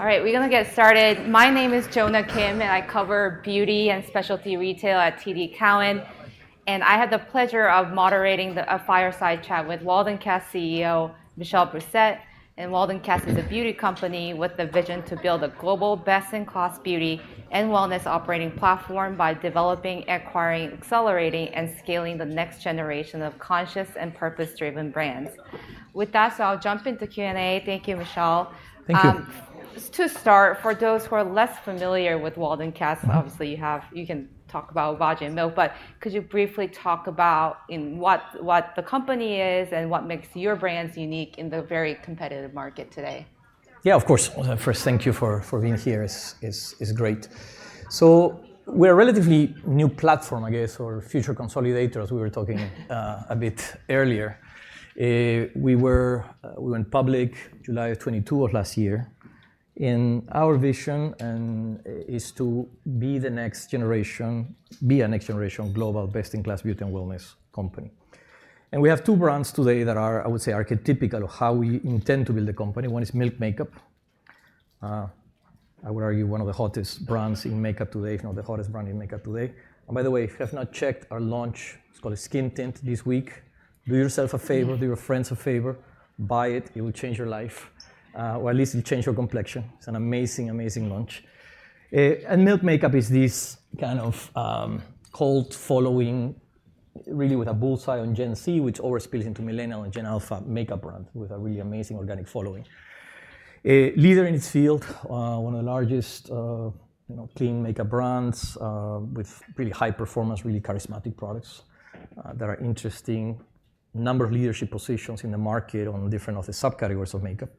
All right, we're going to get started. My name is Jonna Kim, and I cover beauty and specialty retail at TD Cowen. I had the pleasure of moderating a fireside chat with Waldencast CEO, Michel Brousset, and Waldencast is a beauty company with the vision to build a global best-in-class beauty and wellness operating platform by developing, acquiring, accelerating, and scaling the next generation of conscious and purpose-driven brands. With that, I'll jump into Q&A. Thank you, Michel. Thank you. To start, for those who are less familiar with Waldencast, obviously you can talk about Milk Makeup, but could you briefly talk about what the company is and what makes your brands unique in the very competitive market today? Yeah, of course. First, thank you for being here. It's great. We're a relatively new platform, I guess, or future consolidator, as we were talking a bit earlier. We went public July of 2022 of last year. Our vision is to be the next generation, be a next-generation global best-in-class beauty and wellness company. We have two brands today that are, I would say, archetypical of how we intend to build the company. One is Milk Makeup. I would argue one of the hottest brands in makeup today, if not the hottest brand in makeup today. By the way, if you have not checked our launch, it's called a Skin Tint this week. Do yourself a favor, do your friends a favor, buy it. It will change your life, or at least it'll change your complexion. It's an amazing, amazing launch. Milk Makeup is this kind of cult following, really with a bull's eye on Gen Z, which overspills into millennial and Gen Alpha makeup brands with a really amazing organic following. Leader in its field, one of the largest clean makeup brands with really high performance, really charismatic products that are interesting, a number of leadership positions in the market on different of the subcategories of makeup.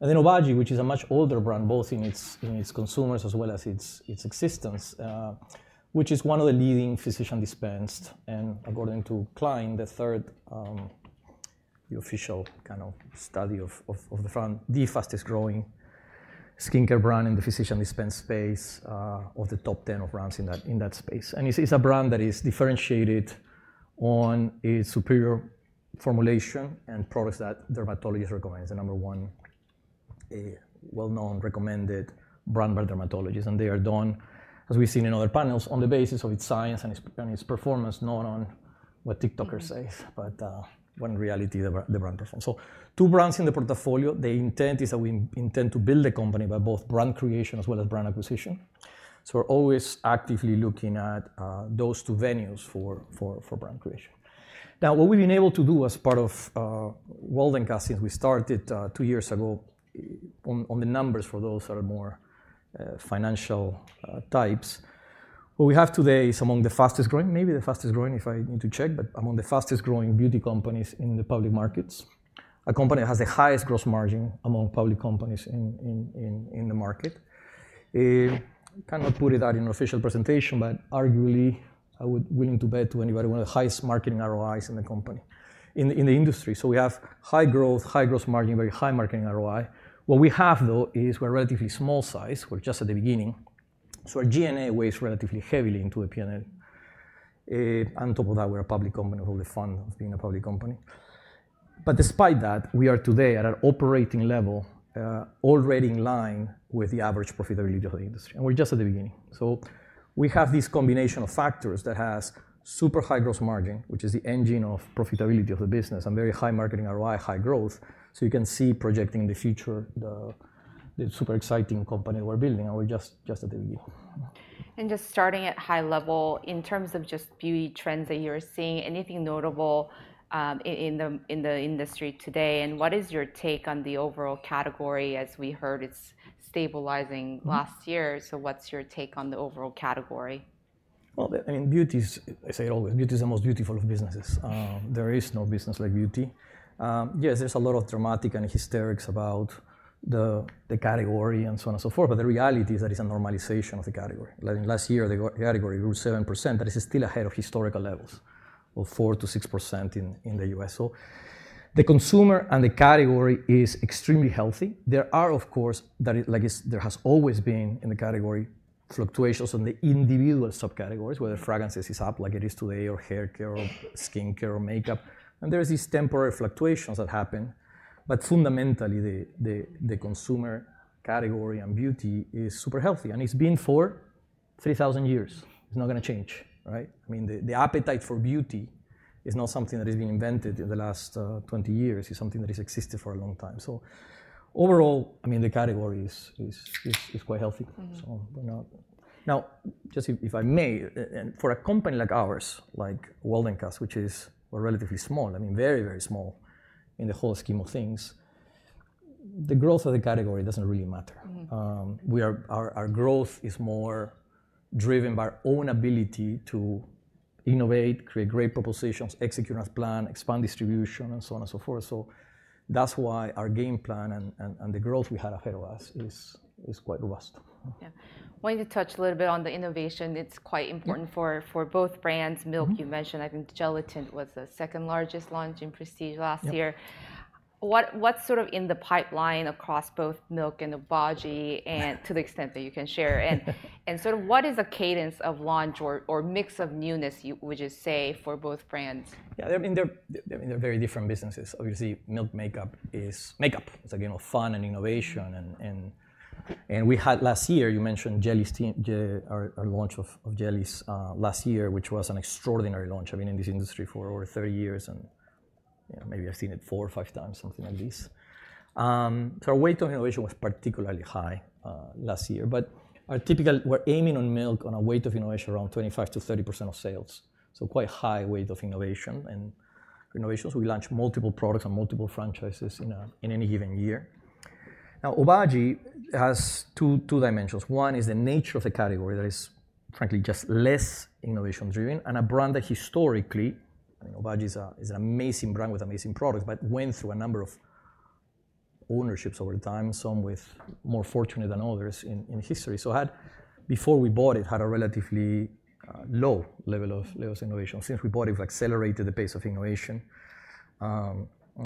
Obagi, which is a much older brand, both in its consumers as well as its existence, which is one of the leading physician dispensed. According to Kline, the third official kind of study of the front, the fastest growing skincare brand in the physician dispensed space of the top 10 of brands in that space. It is a brand that is differentiated on a superior formulation and products that dermatologists recommend. It's the number one well-known recommended brand by dermatologists. They are done, as we've seen in other panels, on the basis of its science and its performance, not on what TikTokers say, but what in reality the brand performs. Two brands in the portfolio. The intent is that we intend to build a company by both brand creation as well as brand acquisition. We're always actively looking at those two venues for brand creation. What we've been able to do as part of Waldencast since we started two years ago on the numbers for those that are more financial types, what we have today is among the fastest growing, maybe the fastest growing, if I need to check, but among the fastest growing beauty companies in the public markets. A company that has the highest gross margin among public companies in the market. I cannot put it out in an official presentation, but arguably I would be willing to bet to anybody one of the highest marketing ROIs in the company, in the industry. We have high growth, high gross margin, very high marketing ROI. What we have, though, is we're relatively small size. We're just at the beginning. Our G&A weighs relatively heavily into the P&L. On top of that, we're a public company with a fund of being a public company. Despite that, we are today at an operating level already in line with the average profitability of the industry. We're just at the beginning. We have this combination of factors that has super high gross margin, which is the engine of profitability of the business, and very high marketing ROI, high growth. You can see projecting in the future the super exciting company that we're building. And we're just at the beginning. Just starting at high level, in terms of just beauty trends that you're seeing, anything notable in the industry today? What is your take on the overall category? As we heard, it's stabilizing last year. What's your take on the overall category? I mean, beauty is, I say it always, beauty is the most beautiful of businesses. There is no business like beauty. Yes, there is a lot of dramatic and hysterics about the category and so on and so forth. The reality is that it is a normalization of the category. Last year, the category grew 7%, but it is still ahead of historical levels of 4%-6% in the U.S. The consumer and the category is extremely healthy. There are, of course, like there has always been in the category, fluctuations on the individual subcategories, whether fragrances is up like it is today or haircare or skincare or makeup. There are these temporary fluctuations that happen. Fundamentally, the consumer category and beauty is super healthy. It has been for 3,000 years. It is not going to change, right? I mean, the appetite for beauty is not something that has been invented in the last 20 years. It's something that has existed for a long time. Overall, I mean, the category is quite healthy. If I may, for a company like ours, like Waldencast, which is relatively small, I mean, very, very small in the whole scheme of things, the growth of the category doesn't really matter. Our growth is more driven by our own ability to innovate, create great propositions, execute on our plan, expand distribution, and so on and so forth. That's why our game plan and the growth we had ahead of us is quite robust. Yeah. Wanting to touch a little bit on the innovation, it's quite important for both brands. Milk, you mentioned, I think Jelly Tint was the second largest launch in Prestige last year. What's sort of in the pipeline across both Milk and Obagi and to the extent that you can share? What is the cadence of launch or mix of newness, would you say, for both brands? Yeah, I mean, they're very different businesses. Obviously, Milk Makeup is makeup. It's a game of fun and innovation. We had last year, you mentioned our launch of Jellies last year, which was an extraordinary launch. I've been in this industry for over 30 years. Maybe I've seen it four or five times, something like this. Our weight of innovation was particularly high last year. Our typical, we're aiming on Milk on a weight of innovation around 25%-30% of sales. Quite high weight of innovation. Innovations, we launch multiple products and multiple franchises in any given year. Now, Obagi has two dimensions. One is the nature of the category that is, frankly, just less innovation-driven. A brand that historically, I mean, Obagi is an amazing brand with amazing products, but went through a number of ownerships over time, some more fortunate than others in history. Before we bought it, it had a relatively low level of innovation. Since we bought it, we've accelerated the pace of innovation.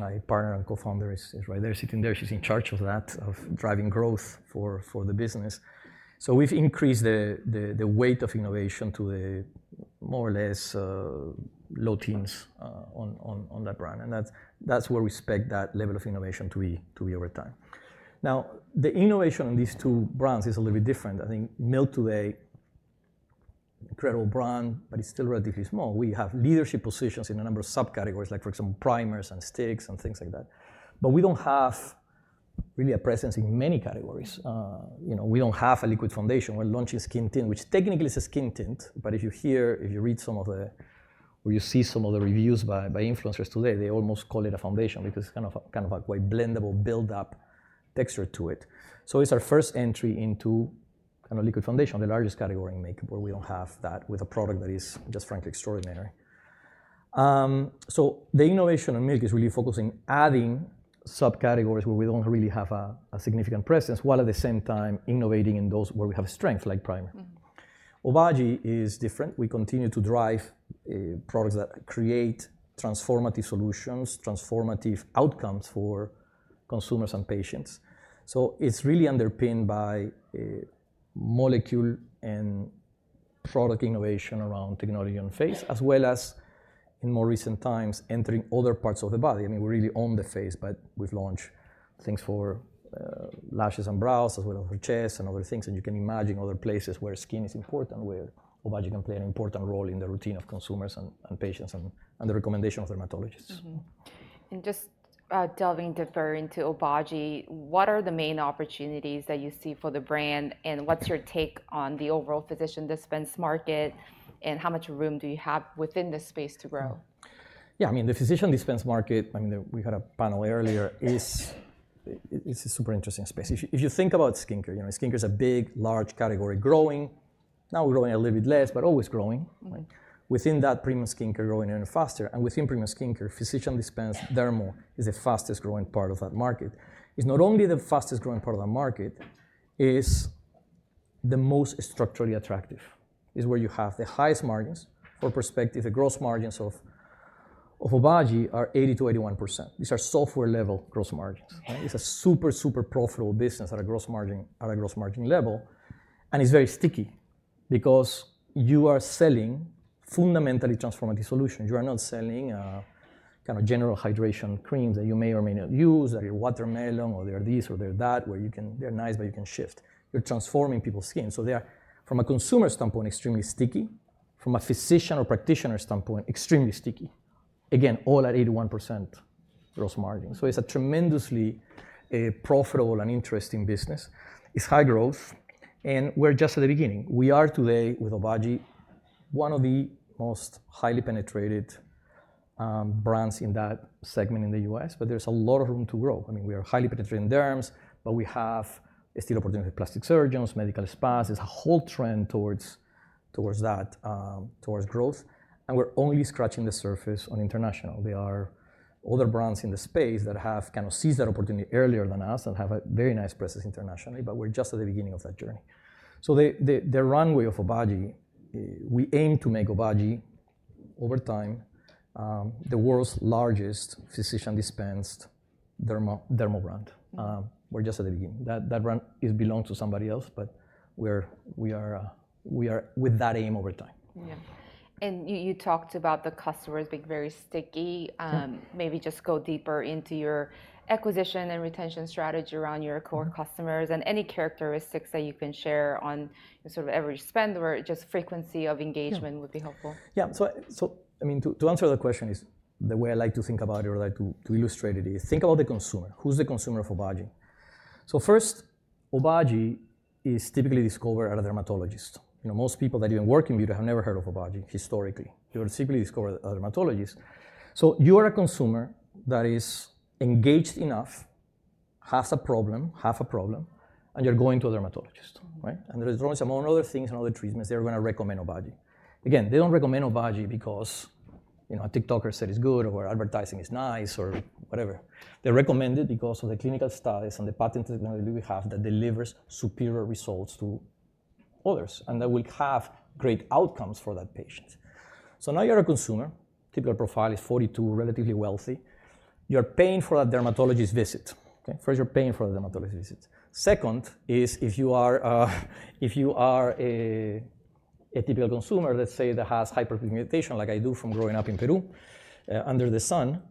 My partner and co-founder is right there, sitting there. She's in charge of that, of driving growth for the business. We've increased the weight of innovation to the more or less low teens on that brand. That's where we expect that level of innovation to be over time. The innovation in these two brands is a little bit different. I think Milk today, incredible brand, but it's still relatively small. We have leadership positions in a number of subcategories, like, for example, primers and sticks and things like that. We do not have really a presence in many categories. We do not have a liquid foundation. We are launching Skin Tint, which technically is a skin tint. If you hear, if you read some of the, or you see some of the reviews by influencers today, they almost call it a foundation because it is kind of a quite blendable build-up texture to it. It is our first entry into kind of liquid foundation, the largest category in makeup, where we do not have that with a product that is just frankly extraordinary. The innovation in Milk is really focusing on adding subcategories where we do not really have a significant presence, while at the same time innovating in those where we have strength like primer. Obagi is different. We continue to drive products that create transformative solutions, transformative outcomes for consumers and patients. It is really underpinned by molecule and product innovation around technology on face, as well as in more recent times, entering other parts of the body. I mean, we are really on the face, but we have launched things for lashes and brows as well as for chest and other things. You can imagine other places where skin is important, where Obagi can play an important role in the routine of consumers and patients and the recommendation of dermatologists. Just delving deeper into Obagi, what are the main opportunities that you see for the brand? What's your take on the overall physician-dispensed market? How much room do you have within the space to grow? Yeah, I mean, the physician dispense market, I mean, we had a panel earlier, is a super interesting space. If you think about skincare, skincare is a big, large category growing. Now we're growing a little bit less, but always growing. Within that premium skincare, growing even faster. Within premium skincare, physician dispense dermo is the fastest growing part of that market. It's not only the fastest growing part of the market, it's the most structurally attractive. It's where you have the highest margins. For perspective, the gross margins of Obagi are 80%-81%. These are software-level gross margins. It's a super, super profitable business at a gross margin level. It's very sticky because you are selling fundamentally transformative solutions. You are not selling kind of general hydration creams that you may or may not use, that are watermelon or they're this or they're that, where they're nice, but you can shift. You're transforming people's skin. They are, from a consumer standpoint, extremely sticky. From a physician or practitioner standpoint, extremely sticky. Again, all at 81% gross margin. It is a tremendously profitable and interesting business. It is high growth. We are just at the beginning. We are today with Obagi one of the most highly penetrated brands in that segment in the U.S. There is a lot of room to grow. I mean, we are highly penetrated in derms, but we have still opportunity with plastic surgeons, medical spas. There is a whole trend towards that, towards growth. We are only scratching the surface on international. There are other brands in the space that have kind of seized that opportunity earlier than us and have a very nice presence internationally. We're just at the beginning of that journey. The runway of Obagi, we aim to make Obagi over time the world's largest physician-dispensed dermo-cosmetics brand. We're just at the beginning. That brand belongs to somebody else, but we are with that aim over time. Yeah. You talked about the customers being very sticky. Maybe just go deeper into your acquisition and retention strategy around your core customers and any characteristics that you can share on sort of every spend or just frequency of engagement would be helpful. Yeah. I mean, to answer the question, the way I like to think about it or like to illustrate it is think about the consumer. Who's the consumer of Obagi? First, Obagi is typically discovered at a dermatologist. Most people that even work in beauty have never heard of Obagi historically. You're typically discovered at a dermatologist. You are a consumer that is engaged enough, has a problem, half a problem, and you're going to a dermatologist. There's always a number of things and other treatments they're going to recommend Obagi. They don't recommend Obagi because a TikToker said it's good or advertising is nice or whatever. They recommend it because of the clinical studies and the patent that we have that delivers superior results to others and that will have great outcomes for that patient. Now you're a consumer. Typical profile is 42, relatively wealthy. You're paying for that dermatologist visit. First, you're paying for the dermatologist visit. Second is if you are a typical consumer, let's say, that has hyperpigmentation like I do from growing up in Peru under the sun,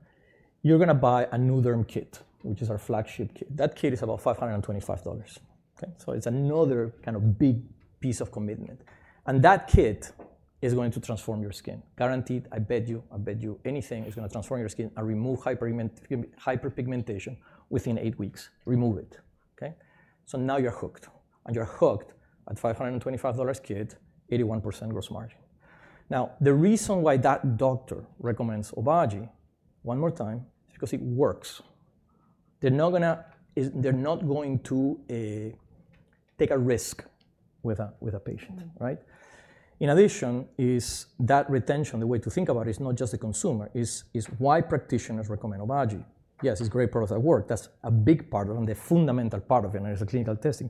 you're going to buy a Nu-Derm Kit, which is our flagship kit. That kit is about $525. It is another kind of big piece of commitment. That kit is going to transform your skin. Guaranteed, I bet you, I bet you anything is going to transform your skin and remove hyperpigmentation within eight weeks. Remove it. Now you're hooked. You're hooked at $525 kit, 81% gross margin. The reason why that doctor recommends Obagi one more time is because it works. They're not going to take a risk with a patient, right? In addition, is that retention, the way to think about it, is not just the consumer. It's why practitioners recommend Obagi. Yes, it's a great product that works. That's a big part of it and the fundamental part of it. It's the clinical testing.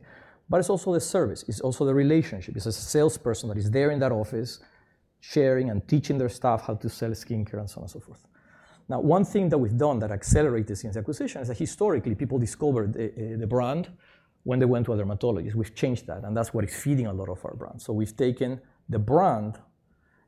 It's also the service. It's also the relationship. It's a salesperson that is there in that office sharing and teaching their staff how to sell skincare and so on and so forth. Now, one thing that we've done that accelerates this in the acquisition is that historically, people discovered the brand when they went to a dermatologist. We've changed that. That's what is feeding a lot of our brands. We've taken the brand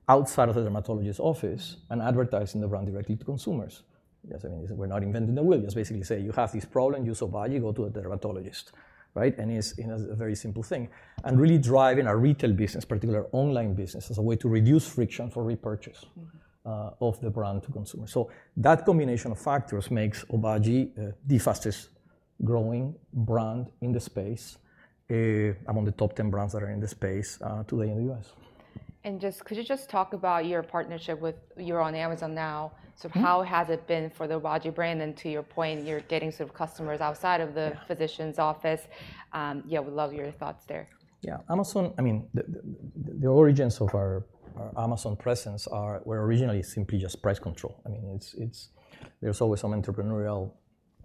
outside of the dermatologist's office and advertising the brand directly to consumers. Yes, I mean, we're not inventing the wheel. Just basically say, you have this problem, use Obagi, go to the dermatologist, right? It is a very simple thing. Really driving our retail business, particularly our online business, as a way to reduce friction for repurchase of the brand to consumers. That combination of factors makes Obagi the fastest growing brand in the space. I am on the top 10 brands that are in the space today in the U.S. Could you just talk about your partnership with, you're on Amazon now. How has it been for the Obagi brand? To your point, you're getting sort of customers outside of the physician's office. Yeah, we'd love your thoughts there. Yeah. Amazon, I mean, the origins of our Amazon presence were originally simply just price control. I mean, there's always some entrepreneurial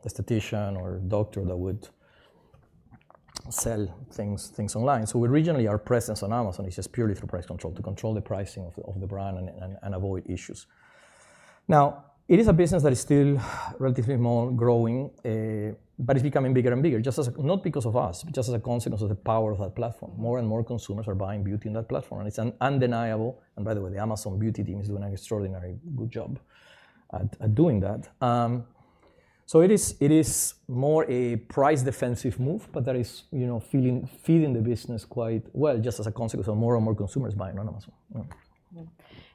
esthetician or doctor that would sell things online. Originally, our presence on Amazon is just purely for price control, to control the pricing of the brand and avoid issues. Now, it is a business that is still relatively small, growing, but it's becoming bigger and bigger, not because of us, but just as a consequence of the power of that platform. More and more consumers are buying beauty on that platform. It is undeniable. By the way, the Amazon beauty team is doing an extraordinarily good job at doing that. It is more a price defensive move, but that is feeding the business quite well, just as a consequence of more and more consumers buying on Amazon.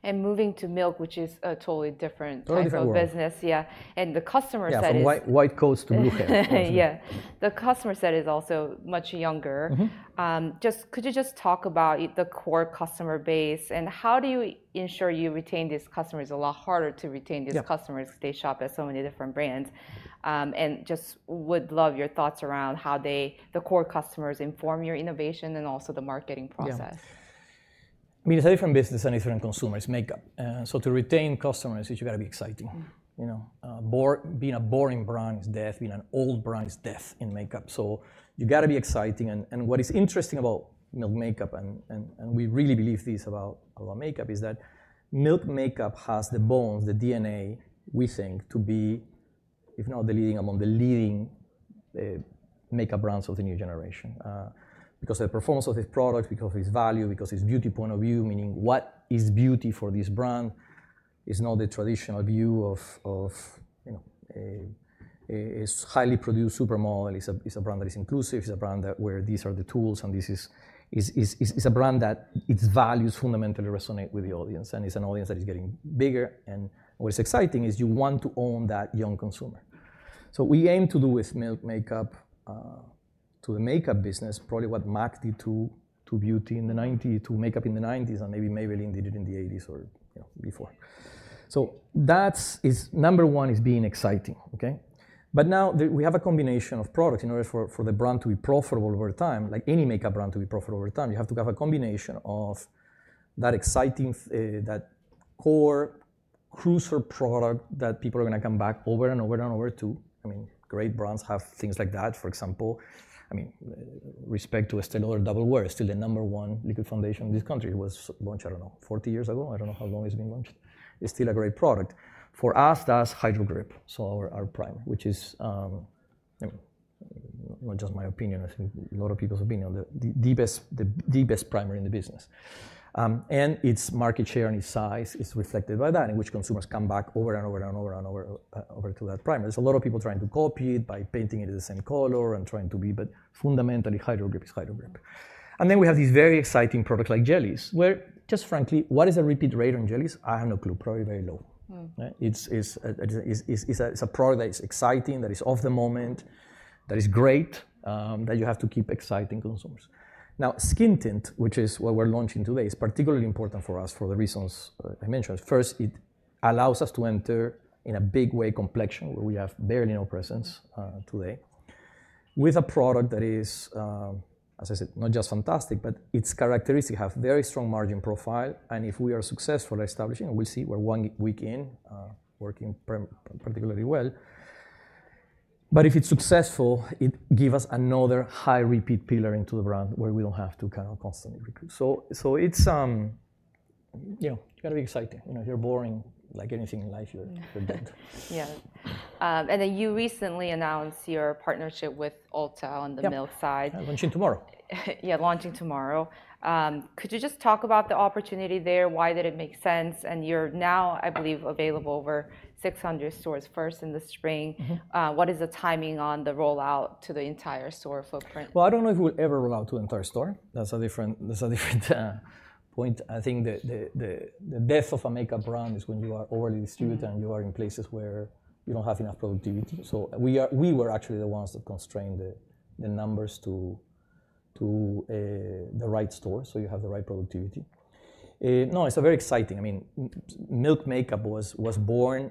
Moving to Milk, which is a totally different type of business. Totally different. Yeah. The customer set is. Yeah, from white coats to blue hair. Yeah. The customer set is also much younger. Just could you just talk about the core customer base? How do you ensure you retain these customers? It's a lot harder to retain these customers because they shop at so many different brands. I would love your thoughts around how the core customers inform your innovation and also the marketing process. Yeah. I mean, it's a different business and it's different consumers, makeup. To retain customers, you've got to be exciting. Being a boring brand is death. Being an old brand is death in makeup. You've got to be exciting. What is interesting about Milk Makeup, and we really believe this about makeup, is that Milk Makeup has the bones, the DNA, we think, to be, if not the leading, among the leading makeup brands of the new generation. Because of the performance of this product, because of its value, because of its beauty point of view, meaning what is beauty for this brand is not the traditional view of a highly produced supermodel. It's a brand that is inclusive. It's a brand where these are the tools. This is a brand that its values fundamentally resonate with the audience. It is an audience that is getting bigger. What is exciting is you want to own that young consumer. We aim to do with Milk Makeup to the makeup business probably what MAC did to beauty in the 1990s, to makeup in the 1990s, and maybe Maybelline did it in the 1980s or before. That is number one, it is exciting. Now we have a combination of products. In order for the brand to be profitable over time, like any makeup brand to be profitable over time, you have to have a combination of that exciting, that core crucial product that people are going to come back over and over and over to. I mean, great brands have things like that, for example. I mean, respect to Estée Lauder or Double Wear, it is still the number one liquid foundation in this country. It was launched, I don't know, 40 years ago. I don't know how long it's been launched. It's still a great product. For us, that's Hydro Grip, so our primer, which is not just my opinion. I think a lot of people's opinion, the deepest primer in the business. Its market share and its size is reflected by that, in which consumers come back over and over and over and over to that primer. There's a lot of people trying to copy it by painting it the same color and trying to be, but fundamentally, Hydro Grip is Hydro Grip. We have these very exciting products like Jellies, where just frankly, what is the repeat rate on Jellies? I have no clue. Probably very low. It's a product that is exciting, that is of the moment, that is great, that you have to keep exciting consumers. Now, Skin Tint, which is what we're launching today, is particularly important for us for the reasons I mentioned. First, it allows us to enter in a big way complexion where we have barely no presence today with a product that is, as I said, not just fantastic, but its characteristics have very strong margin profile. If we are successful at establishing, we'll see. We're one week in working particularly well. If it's successful, it gives us another high repeat pillar into the brand where we don't have to kind of constantly recruit. It's got to be exciting. If you're boring, like anything in life, you're dead. Yeah. You recently announced your partnership with Ulta on the Milk side. Yeah, launching tomorrow. Yeah, launching tomorrow. Could you just talk about the opportunity there? Why did it make sense? You're now, I believe, available over 600 stores first in the spring. What is the timing on the rollout to the entire store footprint? I don't know if we'll ever roll out to the entire store. That's a different point. I think the death of a makeup brand is when you are overly distributed and you are in places where you don't have enough productivity. We were actually the ones that constrained the numbers to the right store so you have the right productivity. No, it's very exciting. I mean, Milk Makeup was born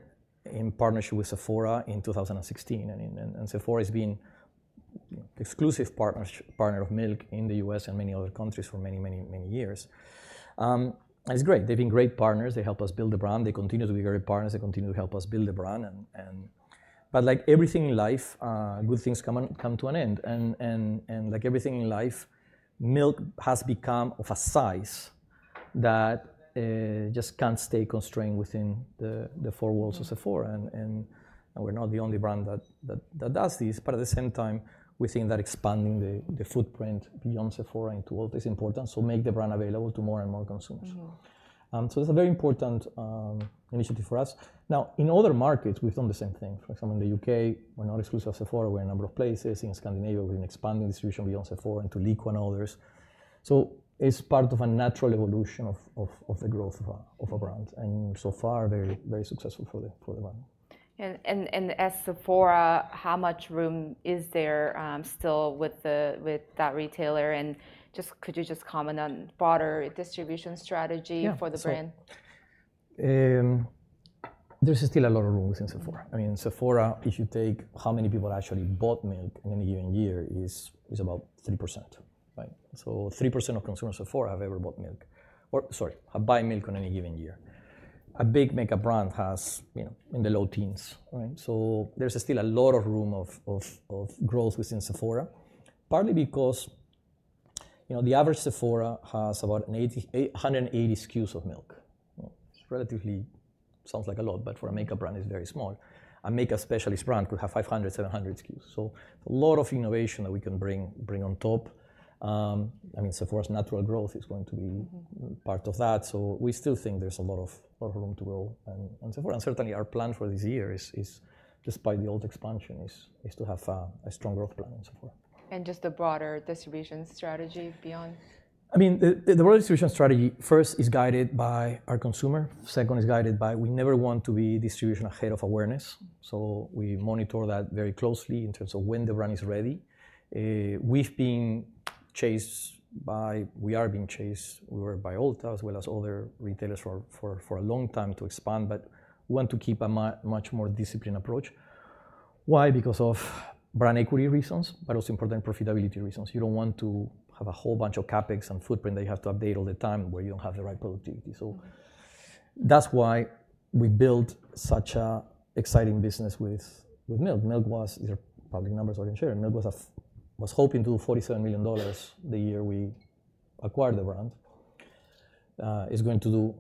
in partnership with Sephora in 2016. Sephora has been an exclusive partner of Milk in the U.S. and many other countries for many, many, many years. It's great. They've been great partners. They help us build the brand. They continue to be great partners. They continue to help us build the brand. Like everything in life, good things come to an end. Like everything in life, Milk has become of a size that just can't stay constrained within the four walls of Sephora. We're not the only brand that does this. At the same time, we think that expanding the footprint beyond Sephora into Ulta is important to make the brand available to more and more consumers. It is a very important initiative for us. In other markets, we've done the same thing. For example, in the U.K., we're not exclusive of Sephora. We're in a number of places. In Scandinavia, we've been expanding distribution beyond Sephora into Lyko and others. It is part of a natural evolution of the growth of a brand. So far, very successful for the brand. As Sephora, how much room is there still with that retailer? Could you just comment on broader distribution strategy for the brand? There's still a lot of room within Sephora. I mean, Sephora, if you take how many people actually bought Milk in any given year, it's about 3%. So 3% of consumers of Sephora have ever bought Milk. Or sorry, have bought Milk in any given year. A big makeup brand has in the low teens. There's still a lot of room of growth within Sephora, partly because the average Sephora has about 180 SKUs of Milk. It sounds like a lot, but for a makeup brand, it's very small. A makeup specialist brand could have 500-700 SKUs. A lot of innovation that we can bring on top. I mean, Sephora's natural growth is going to be part of that. We still think there's a lot of room to grow in Sephora. Certainly, our plan for this year is, despite the Ulta expansion, to have a strong growth plan in Sephora. Just the broader distribution strategy beyond? I mean, the broader distribution strategy first is guided by our consumer. Second is guided by we never want to be distribution ahead of awareness. We monitor that very closely in terms of when the brand is ready. We've been chased by, we are being chased by Ulta as well as other retailers for a long time to expand. We want to keep a much more disciplined approach. Why? Because of brand equity reasons, but also important profitability reasons. You don't want to have a whole bunch of CapEx and footprint that you have to update all the time where you don't have the right productivity. That's why we built such an exciting business with Milk. Milk was, these are public numbers I can share, Milk was hoping to do $47 million the year we acquired the brand. It's going to do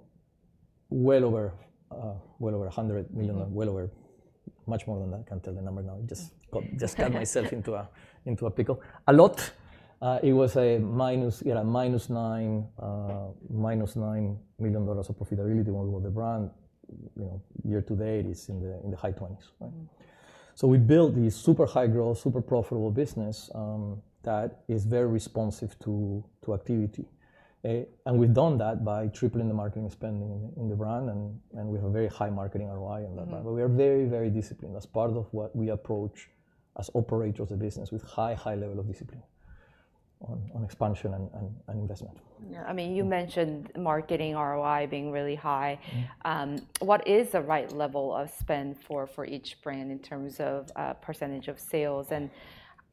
well over $100 million, well over much more than that. I can't tell the number now. I just cut myself into a pickle. A lot. It was a minus $9 million of profitability when we bought the brand. Year to date, it's in the high 20s. We built this super high growth, super profitable business that is very responsive to activity. We have done that by tripling the marketing spending in the brand. We have a very high marketing ROI on that brand. We are very, very disciplined. That's part of what we approach as operators of the business with high, high level of discipline on expansion and investment. I mean, you mentioned marketing ROI being really high. What is the right level of spend for each brand in terms of percentage of sales?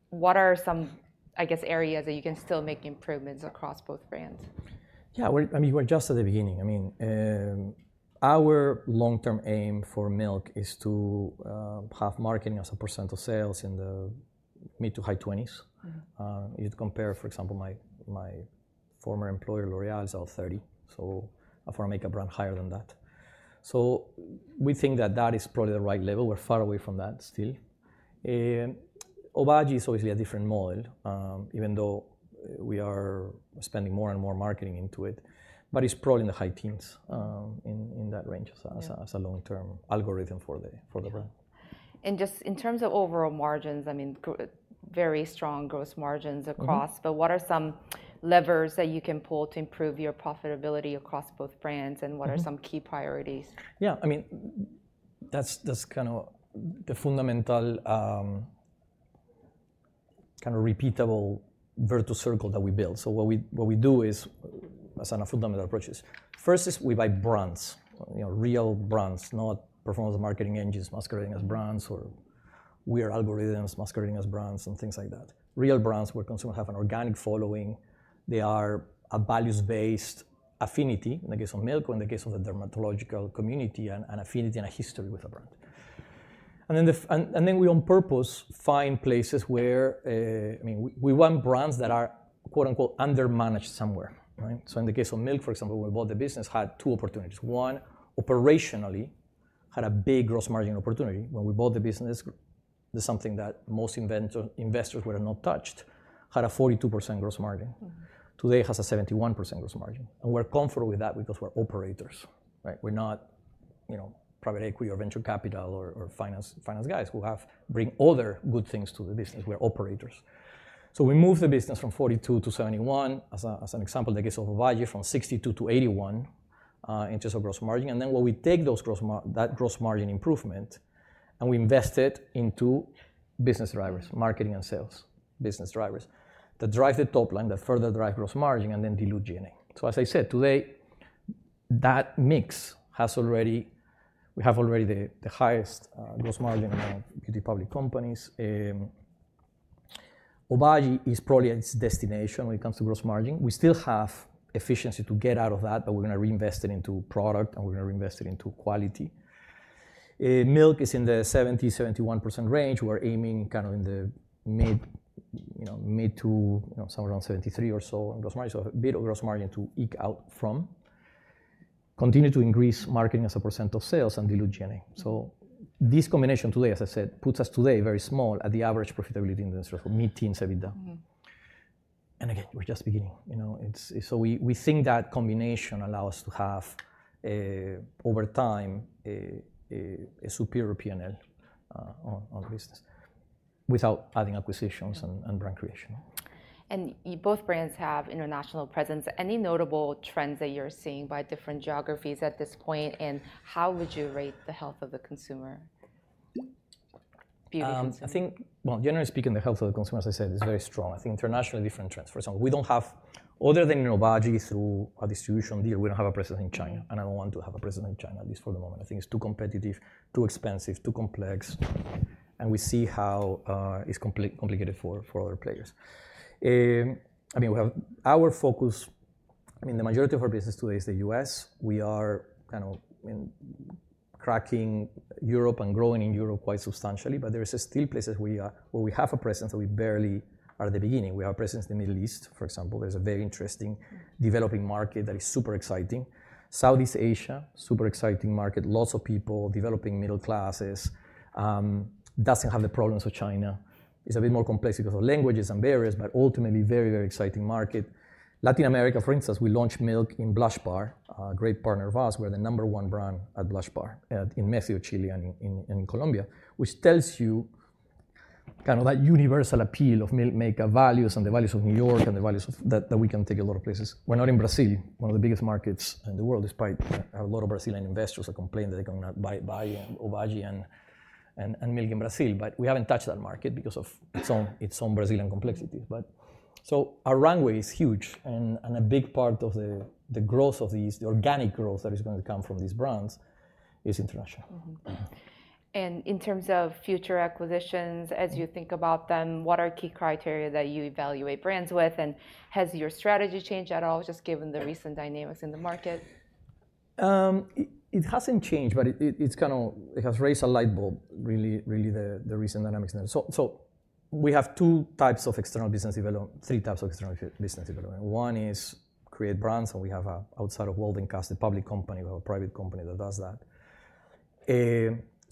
What are some, I guess, areas that you can still make improvements across both brands? Yeah. I mean, we're just at the beginning. I mean, our long-term aim for Milk is to have marketing as a percent of sales in the mid to high 20s. You'd compare, for example, my former employer, L'Oréal, is about 30%. For a makeup brand higher than that. We think that that is probably the right level. We're far away from that still. Obagi is obviously a different model, even though we are spending more and more marketing into it. It's probably in the high teens in that range as a long-term algorithm for the brand. Just in terms of overall margins, I mean, very strong gross margins across. What are some levers that you can pull to improve your profitability across both brands? What are some key priorities? Yeah. I mean, that's kind of the fundamental kind of repeatable virtuous circle that we built. What we do is, as a fundamental approach, is, first is we buy brands, real brands, not performance marketing engines masquerading as brands or weird algorithms masquerading as brands and things like that. Real brands where consumers have an organic following. They are a values-based affinity, in the case of Milk or in the case of the dermatological community, an affinity and a history with a brand. We on purpose find places where, I mean, we want brands that are "undermanaged" somewhere. In the case of Milk, for example, when we bought the business, had two opportunities. One, operationally, had a big gross margin opportunity. When we bought the business, there's something that most investors were not touched, had a 42% gross margin. Today, it has a 71% gross margin. We're comfortable with that because we're operators. We're not private equity or venture capital or finance guys who bring other good things to the business. We're operators. We moved the business from 42% to 71%, as an example, in the case of Obagi, from 62% to 81% in terms of gross margin. When we take that gross margin improvement, and we invest it into business drivers, marketing and sales, business drivers that drive the top line, that further drive gross margin, and then dilute DNA. As I said, today, that mix has already we have already the highest gross margin among beauty public companies. Obagi is probably at its destination when it comes to gross margin. We still have efficiency to get out of that, but we're going to reinvest it into product, and we're going to reinvest it into quality. Milk is in the 70%-71% range. We're aiming kind of in the mid to somewhere around 73% or so in gross margin, so a bit of gross margin to eke out from. Continue to increase marketing as a percent of sales and dilute DNA. This combination today, as I said, puts us today very small at the average profitability in terms of mid teens EBITDA. Again, we're just beginning. We think that combination allows us to have, over time, a superior P&L on the business without adding acquisitions and brand creation. Both brands have international presence. Any notable trends that you're seeing by different geographies at this point? How would you rate the health of the consumer? Beauty consumer. Generally speaking, the health of the consumer, as I said, is very strong. I think internationally, different trends. For example, we do not have, other than in Obagi through a distribution deal, we do not have a presence in China. I do not want to have a presence in China at least for the moment. I think it is too competitive, too expensive, too complex. We see how it is complicated for other players. I mean, our focus, I mean, the majority of our business today is the U.S. We are kind of cracking Europe and growing in Europe quite substantially. There are still places where we have a presence that we barely are at the beginning. We have a presence in the Middle East, for example. There is a very interesting developing market that is super exciting. Southeast Asia, super exciting market, lots of people, developing middle classes. Doesn't have the problems of China. It's a bit more complex because of languages and barriers, but ultimately, very, very exciting market. Latin America, for instance, we launched Milk in Blush Bar, a great partner of ours. We're the number one brand at Blush Bar in Mexico, Chile, and in Colombia, which tells you kind of that universal appeal of Milk Makeup values and the values of New York and the values that we can take a lot of places. We're not in Brazil, one of the biggest markets in the world, despite a lot of Brazilian investors that complain that they cannot buy Obagi and Milk in Brazil. We haven't touched that market because of its own Brazilian complexities. Our runway is huge. A big part of the growth of these, the organic growth that is going to come from these brands, is international. In terms of future acquisitions, as you think about them, what are key criteria that you evaluate brands with? Has your strategy changed at all, just given the recent dynamics in the market? It hasn't changed, but it has raised a light bulb, really, the recent dynamics in that. We have two types of external business development, three types of external business development. One is create brands. We have, outside of Waldencast, a public company. We have a private company that does that.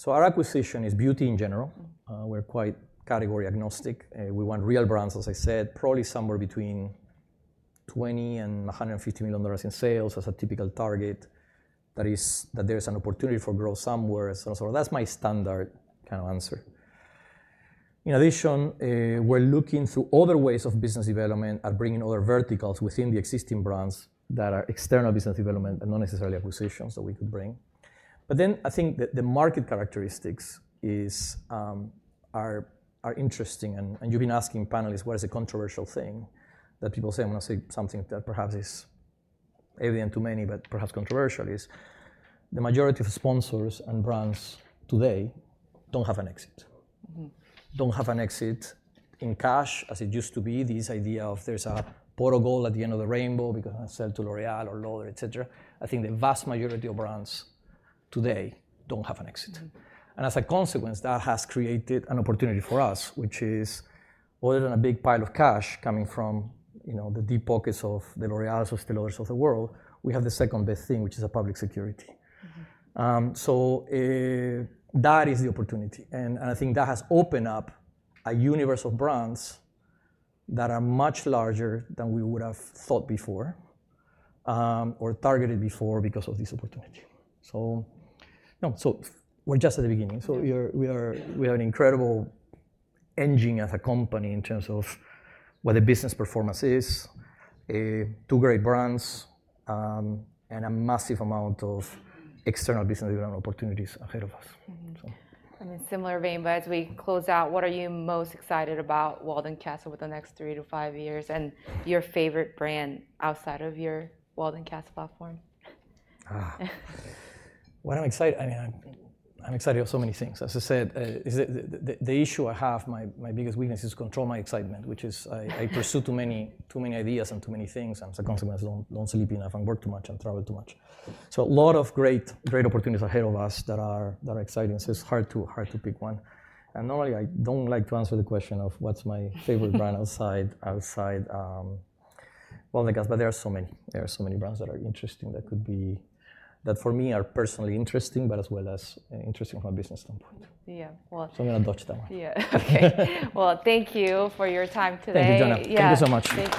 Our acquisition is beauty in general. We're quite category agnostic. We want real brands, as I said, probably somewhere between $20 million and $150 million in sales as a typical target. There is an opportunity for growth somewhere. That's my standard kind of answer. In addition, we're looking through other ways of business development at bringing other verticals within the existing brands that are external business development and not necessarily acquisitions that we could bring. I think the market characteristics are interesting. You've been asking panelists, what is a controversial thing? That people say, I'm going to say something that perhaps is evident to many, but perhaps controversial is the majority of sponsors and brands today don't have an exit. Don't have an exit in cash, as it used to be, this idea of there's a pot of gold at the end of the rainbow because I sell to L'Oréal or Lauder, et cetera. I think the vast majority of brands today don't have an exit. As a consequence, that has created an opportunity for us, which is, other than a big pile of cash coming from the deep pockets of the L'Oréals, of the Lauders of the world, we have the second best thing, which is public security. That is the opportunity. I think that has opened up a universe of brands that are much larger than we would have thought before or targeted before because of this opportunity. We are just at the beginning. We have an incredible engine as a company in terms of what the business performance is, two great brands, and a massive amount of external business development opportunities ahead of us. I mean, similar vein, but as we close out, what are you most excited about Waldencast over the next three to five years and your favorite brand outside of your Waldencast platform? What I'm excited, I mean, I'm excited about so many things. As I said, the issue I have, my biggest weakness is to control my excitement, which is I pursue too many ideas and too many things. As a consequence, I don't sleep enough. I work too much and travel too much. A lot of great opportunities ahead of us that are exciting. It's hard to pick one. Normally, I don't like to answer the question of what's my favorite brand outside Waldencast. There are so many. There are so many brands that are interesting that could be, that for me, are personally interesting, but as well as interesting from a business standpoint. Yeah. I'm going to dodge that one. Yeah. OK. Thank you for your time today. Thank you, Jonna. Thank you so much.